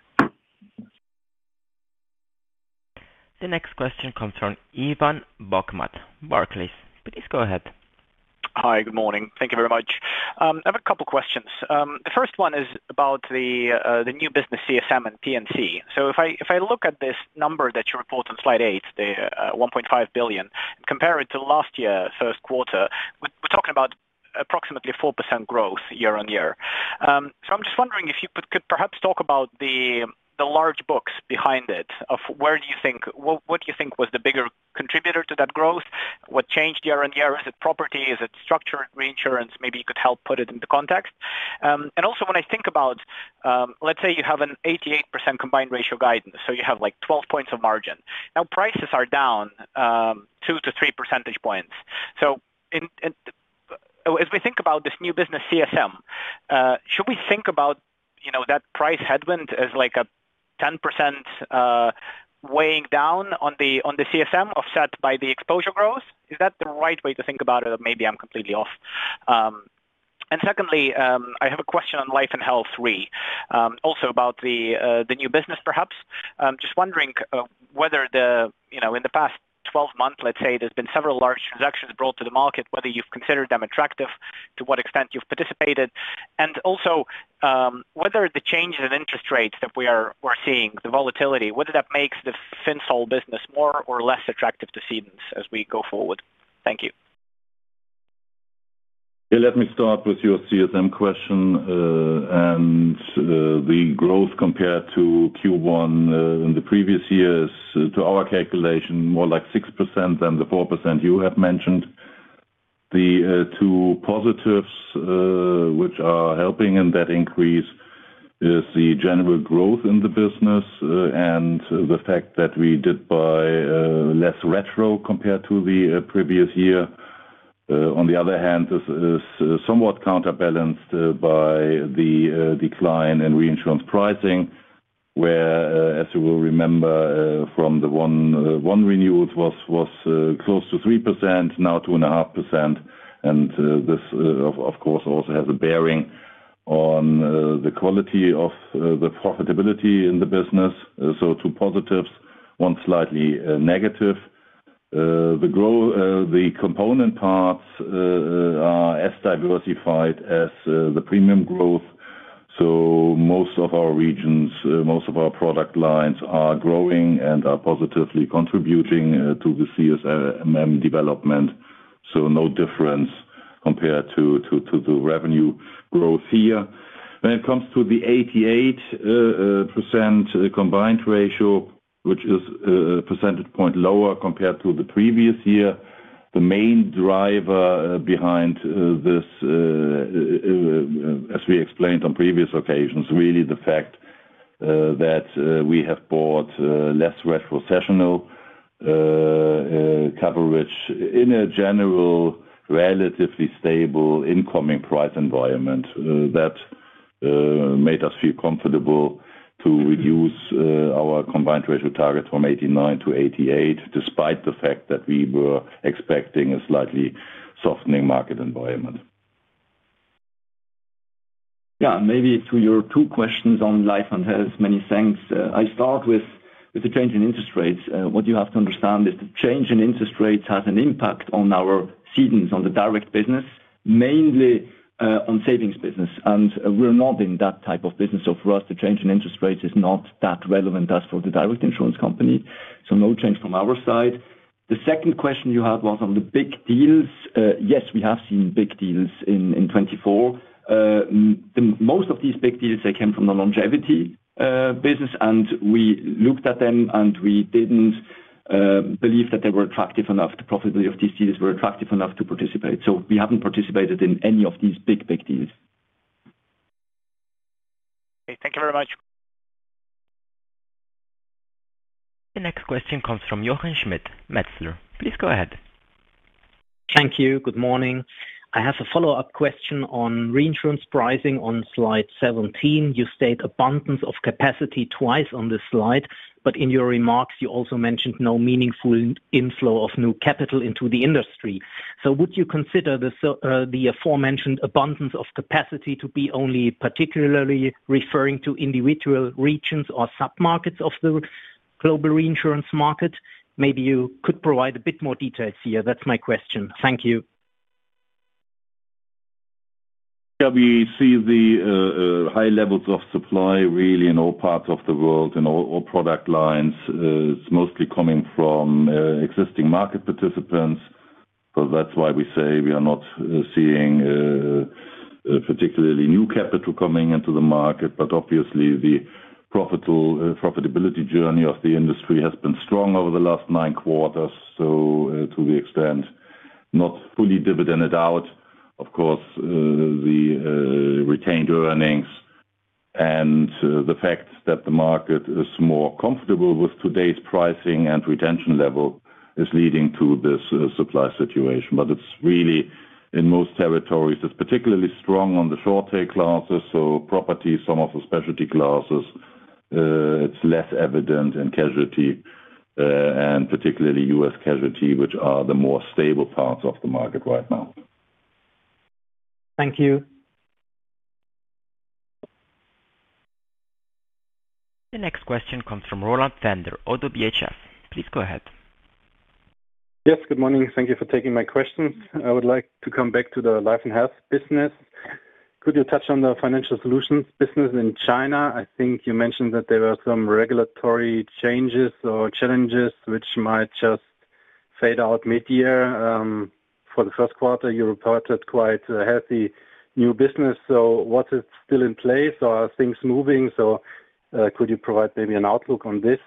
The next question comes from Ivan Bokhmat, Barclays. Please go ahead. Hi. Good morning. Thank you very much. I have a couple of questions. The first one is about the new business CSM and P&C. If I look at this number that you report on slide 8, the 1.5 billion, compare it to last year's first quarter, we're talking about approximately 4% growth year on year. I'm just wondering if you could perhaps talk about the large books behind it, of where do you think, what do you think was the bigger contributor to that growth? What changed year on year? Is it property? Is it structured reinsurance? Maybe you could help put it into context. Also, when I think about, let's say you have an 88% combined ratio guidance, so you have like 12 points of margin. Now, prices are down 2 percentage points-3 percentage points. As we think about this new business CSM, should we think about that price headwind as like a 10% weighing down on the CSM offset by the exposure growth? Is that the right way to think about it, or maybe I'm completely off? Secondly, I have a question on Life and Health, Re, also about the new business, perhaps. Just wondering whether in the past 12 months, let's say there's been several large transactions brought to the market, whether you've considered them attractive, to what extent you've participated, and also whether the changes in interest rates that we are seeing, the volatility, whether that makes the FinSol business more or less attractive to seedings as we go forward. Thank you. Yeah. Let me start with your CSM question. The growth compared to Q1 in the previous year is, to our calculation, more like 6% than the 4% you have mentioned. The two positives which are helping in that increase is the general growth in the business and the fact that we did buy less retro compared to the previous year. On the other hand, this is somewhat counterbalanced by the decline in reinsurance pricing, where, as you will remember from the one renewal, it was close to 3%, now 2.5%. This, of course, also has a bearing on the quality of the profitability in the business. Two positives, one slightly negative. The component parts are as diversified as the premium growth. Most of our regions, most of our product lines are growing and are positively contributing to the CSM development. No difference compared to the revenue growth here. When it comes to the 88% combined ratio, which is a percentage point lower compared to the previous year, the main driver behind this, as we explained on previous occasions, is really the fact that we have bought less retrocessional coverage in a general, relatively stable incoming price environment that made us feel comfortable to reduce our combined ratio target from 89% to 88%, despite the fact that we were expecting a slightly softening market environment. Yeah. Maybe to your two questions on Life and Health, many thanks. I start with the change in interest rates. What you have to understand is the change in interest rates has an impact on our seedings, on the direct business, mainly on savings business. We are not in that type of business. For us, the change in interest rates is not that relevant as for the direct insurance company. No change from our side. The second question you had was on the big deals. Yes, we have seen big deals in 2024. Most of these big deals, they came from the longevity business, and we looked at them, and we did not believe that they were attractive enough. The profitability of these deals was not attractive enough to participate. We have not participated in any of these big, big deals. Thank you very much. The next question comes from Jochen Schmitt at Metzler. Please go ahead. Thank you. Good morning. I have a follow-up question on reinsurance pricing on slide 17. You state abundance of capacity twice on this slide, but in your remarks, you also mentioned no meaningful inflow of new capital into the industry. Would you consider the aforementioned abundance of capacity to be only particularly referring to individual regions or sub-markets of the global reinsurance market? Maybe you could provide a bit more details here. That's my question. Thank you. Yeah. We see the high levels of supply really in all parts of the world, in all product lines. It's mostly coming from existing market participants. That's why we say we are not seeing particularly new capital coming into the market. Obviously, the profitability journey of the industry has been strong over the last nine quarters. To the extent not fully dividended out, of course, the retained earnings and the fact that the market is more comfortable with today's pricing and retention level is leading to this supply situation. It's really, in most territories, particularly strong on the short-tail classes. Property, some of the specialty classes, it's less evident in casualty and particularly U.S. casualty, which are the more stable parts of the market right now. Thank you. The next question comes from Roland Pfänder, ODDO BHF. Please go ahead. Yes. Good morning. Thank you for taking my questions. I would like to come back to the Life and Health business. Could you touch on the financial solutions business in China? I think you mentioned that there were some regulatory changes or challenges which might just fade out mid-year. For the first quarter, you reported quite a healthy new business. What is still in place? Are things moving? Could you provide maybe an outlook on this?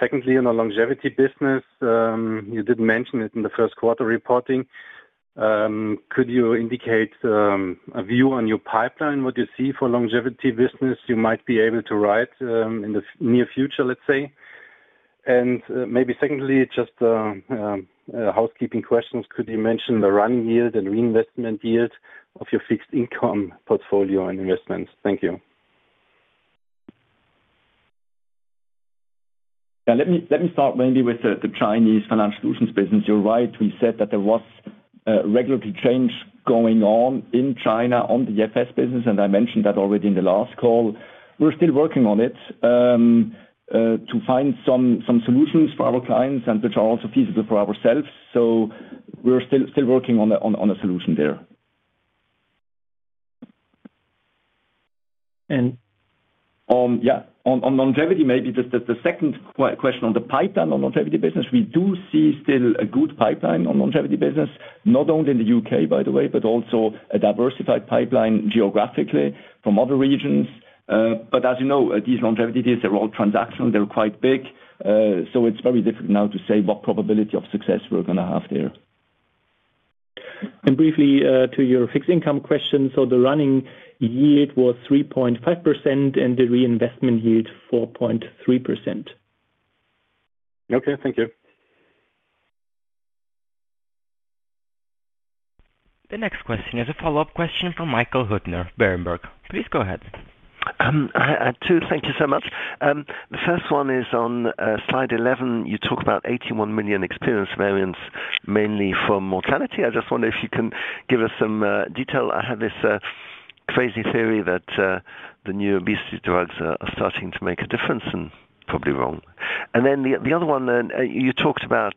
Secondly, on the longevity business, you did mention it in the first quarter reporting. Could you indicate a view on your pipeline, what you see for longevity business you might be able to write in the near future, let's say? Maybe secondly, just housekeeping questions. Could you mention the run yield and reinvestment yield of your fixed income portfolio and investments? Thank you. Yeah. Let me start maybe with the Chinese financial solutions business. You're right. We said that there was a regulatory change going on in China on the FS business, and I mentioned that already in the last call. We're still working on it to find some solutions for our clients and which are also feasible for ourselves. We're still working on a solution there. Yeah, on longevity, maybe the second question on the pipeline on longevity business, we do see still a good pipeline on longevity business, not only in the U.K., by the way, but also a diversified pipeline geographically from other regions. As you know, these longevity deals, they're all transactional. They're quite big. It is very difficult now to say what probability of success we are going to have there. Briefly to your fixed income question, the running yield was 3.5% and the reinvestment yield 4.3%. Okay. Thank you. The next question is a follow-up question from Michael Hüttner, Berenberg. Please go ahead. I do. Thank you so much. The first one is on slide 11. You talk about 81 million experienced variance, mainly for mortality. I just wonder if you can give us some detail. I have this crazy theory that the new obesity drugs are starting to make a difference and probably wrong. The other one, you talked about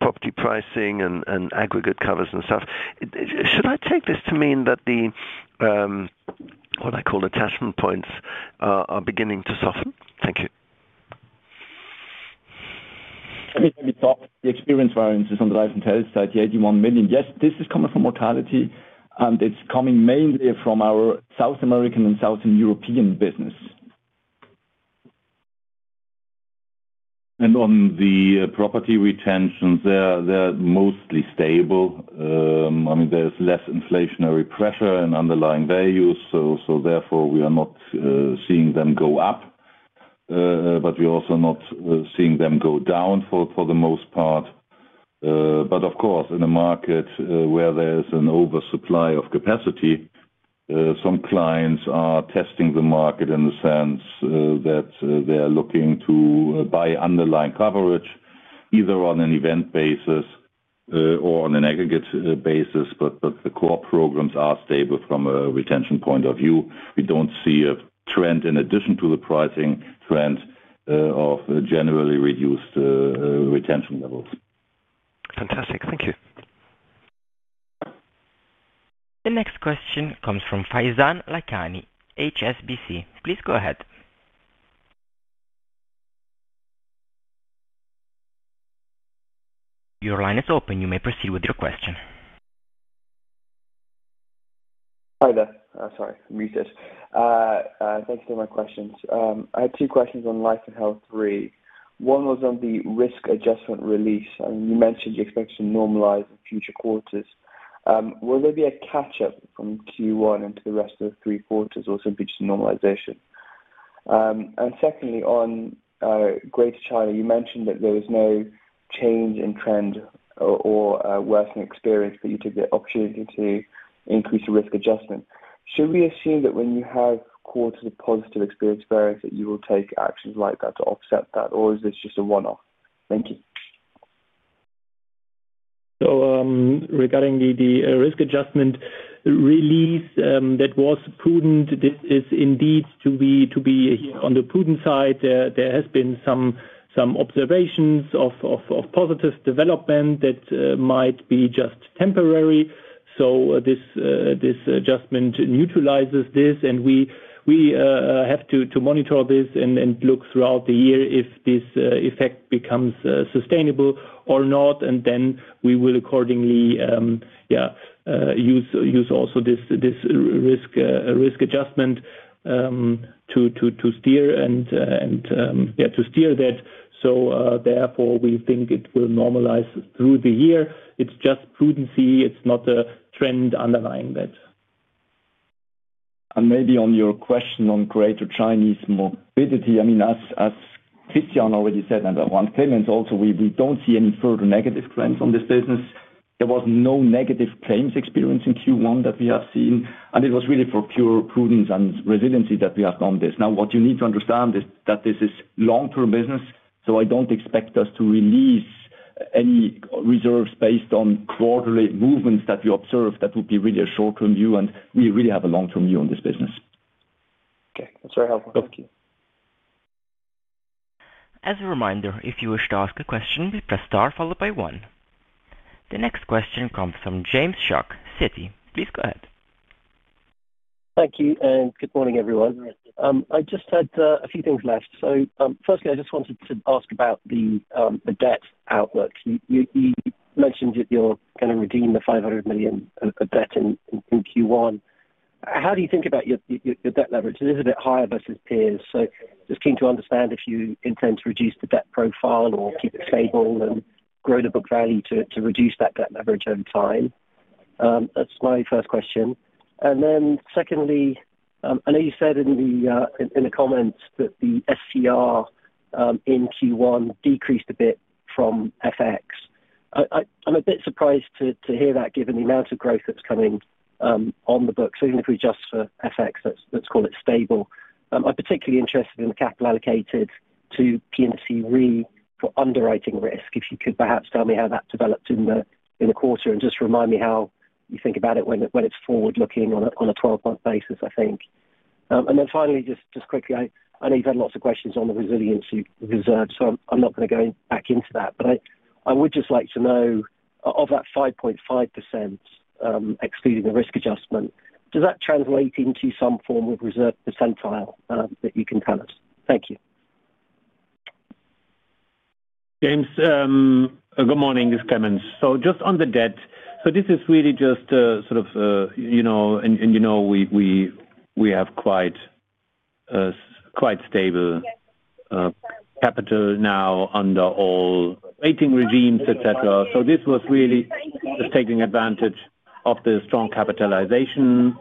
property pricing and aggregate covers and stuff. Should I take this to mean that what I call attachment points are beginning to soften? Thank you. Let me start with the experienced variances on the Life and Health side, the 81 million. Yes, this is coming from mortality, and it's coming mainly from our South American and Southern European business. On the property retentions, they're mostly stable. I mean, there's less inflationary pressure and underlying values. Therefore, we are not seeing them go up, but we're also not seeing them go down for the most part. Of course, in a market where there's an oversupply of capacity, some clients are testing the market in the sense that they're looking to buy underlying coverage, either on an event basis or on an aggregate basis. The core programs are stable from a retention point of view. We don't see a trend in addition to the pricing trend of generally reduced retention levels. Fantastic. Thank you. The next question comes from Faizan Lakhani, HSBC. Please go ahead. Your line is open. You may proceed with your question. Hi there. Sorry. I am research. Thank you for my questions. I had two questions on Life and Health, Re. One was on the risk adjustment release. I mean, you mentioned you expect to normalize in future quarters. Will there be a catch-up from Q1 into the rest of the three quarters or simply just normalization? And secondly, on greater China, you mentioned that there was no change in trend or worsening experience, but you took the opportunity to increase your risk adjustment. Should we assume that when you have quarters of positive experience variance, that you will take actions like that to offset that, or is this just a one-off? Thank you. Regarding the risk adjustment release that was prudent, this is indeed to be on the prudent side. There has been some observations of positive development that might be just temporary. This adjustment neutralizes this, and we have to monitor this and look throughout the year if this effect becomes sustainable or not. We will accordingly, yeah, use also this risk adjustment to steer and, yeah, to steer that. Therefore, we think it will normalize through the year. It is just prudency. It is not a trend underlying that. Maybe on your question on greater Chinese morbidity, I mean, as Christian already said, and I want claimants also, we do not see any further negative trends on this business. There was no negative claims experience in Q1 that we have seen. It was really for pure prudence and resiliency that we have done this. Now, what you need to understand is that this is long-term business, so I do not expect us to release any reserves based on quarterly movements that we observe. That would be really a short-term view, and we really have a long-term view on this business. Okay. That is very helpful. Thank you. As a reminder, if you wish to ask a question, please press star followed by one. The next question comes from James Shuck, Citi. Please go ahead. Thank you. And good morning, everyone. I just had a few things left. Firstly, I just wanted to ask about the debt outlook. You mentioned that you are going to redeem the 500 million of debt in Q1. How do you think about your debt leverage? It is a bit higher versus peers. Just keen to understand if you intend to reduce the debt profile or keep it stable and grow the book value to reduce that debt leverage over time. That's my first question. Secondly, I know you said in the comments that the SCR in Q1 decreased a bit from FX. I'm a bit surprised to hear that given the amount of growth that's coming on the books, even if we adjust for FX, let's call it stable. I'm particularly interested in the capital allocated to P&C Re for underwriting risk. If you could perhaps tell me how that developed in the quarter and just remind me how you think about it when it's forward-looking on a 12-month basis, I think. Finally, just quickly, I know you've had lots of questions on the resiliency reserve, so I'm not going to go back into that. But I would just like to know, of that 5.5% excluding the risk adjustment, does that translate into some form of reserve percentile that you can tell us? Thank you. James, good morning. This is Clemens. Just on the debt, this is really just sort of, and you know we have quite stable capital now under all rating regimes, etc. This was really just taking advantage of the strong capitalization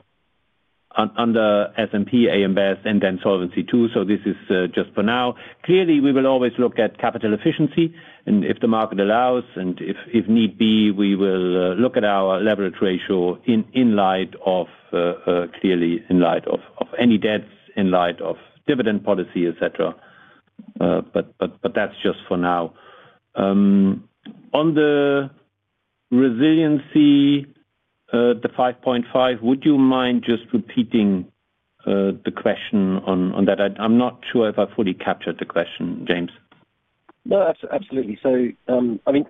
under S&P, A.M. BEST, and then Solvency II. This is just for now. Clearly, we will always look at capital efficiency, and if the market allows, and if need be, we will look at our leverage ratio in light of, clearly, in light of any debts, in light of dividend policy, etc. That is just for now. On the resiliency, the 5.5%, would you mind just repeating the question on that? I'm not sure if I fully captured the question, James. No, absolutely. I mean,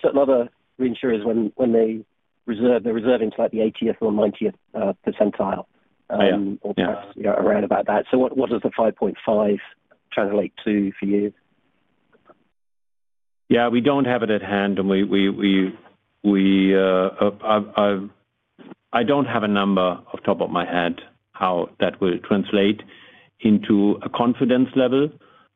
certain other reinsurers, when they reserve into like the 80th or 90th percentile or perhaps around about that, what does the 5.5% translate to for you? Yeah. We do not have it at hand, and I do not have a number off the top of my head how that would translate into a confidence level.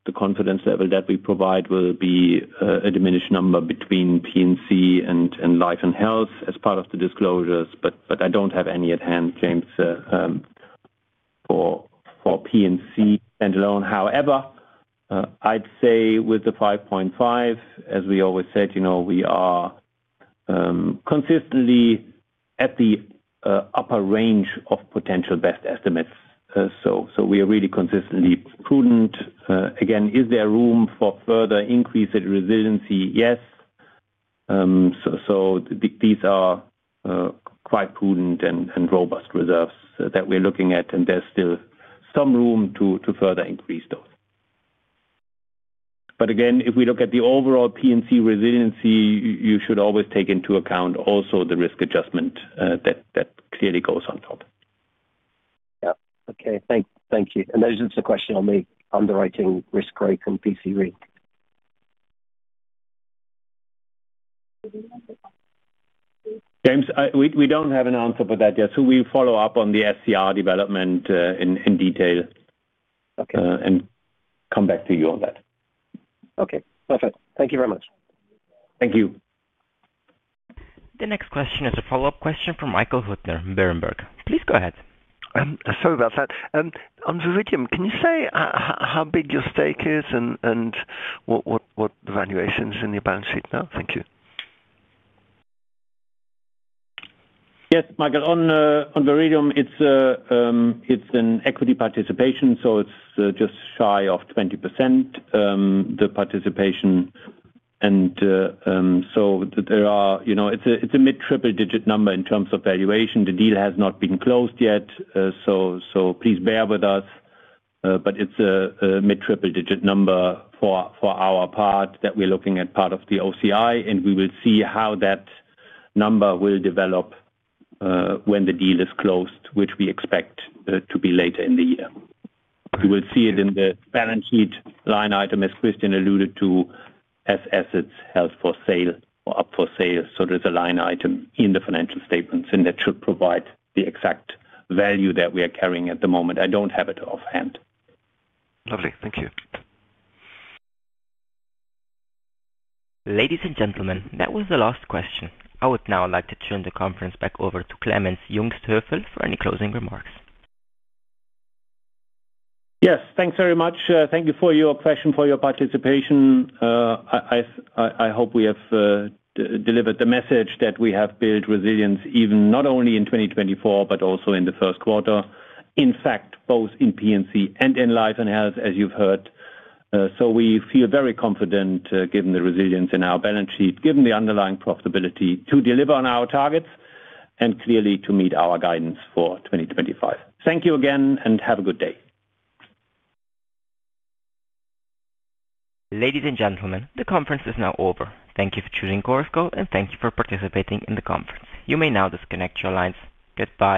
The confidence level that we provide will be a diminished number between P&C and Life and Health as part of the disclosures. I do not have any at hand, James, for P&C standalone. However, I would say with the 5.5%, as we always said, we are consistently at the upper range of potential best estimates. We are really consistently prudent. Again, is there room for further increase in resiliency? Yes. These are quite prudent and robust reserves that we're looking at, and there's still some room to further increase those. If we look at the overall P&C resiliency, you should always take into account also the risk adjustment that clearly goes on top. Yeah. Okay. Thank you. That is just a question on the underwriting risk rate and P&C rate. James, we do not have an answer for that yet. We will follow up on the SCR development in detail and come back to you on that. Okay. Perfect. Thank you very much. Thank you. The next question is a follow-up question from Michael Hüttner, Berenberg. Please go ahead. Sorry about that. On Viridium, can you say how big your stake is and what the valuation is in your balance sheet now? Thank you. Yes. Michael, on Viridium, it's an equity participation, so it's just shy of 20%, the participation. It's a mid-triple-digit number in terms of valuation. The deal has not been closed yet, so please bear with us. It's a mid-triple-digit number for our part that we're looking at, part of the OCI, and we will see how that number will develop when the deal is closed, which we expect to be later in the year. You will see it in the balance sheet line item, as Christian alluded to, as assets held for sale or up for sale. There's a line item in the financial statements, and that should provide the exact value that we are carrying at the moment. I don't have it offhand. Lovely. Thank you. Ladies and gentlemen, that was the last question. I would now like to turn the conference back over to Clemens Jungsthöfel for any closing remarks. Yes. Thanks very much. Thank you for your question, for your participation. I hope we have delivered the message that we have built resilience even not only in 2024, but also in the first quarter, in fact, both in P&C and in Life and Health, as you've heard. We feel very confident, given the resilience in our balance sheet, given the underlying profitability, to deliver on our targets and clearly to meet our guidance for 2025. Thank you again, and have a good day. Ladies and gentlemen, the conference is now over. Thank you for choosing Chorus Call and thank you for participating in the conference. You may now disconnect your lines. Goodbye.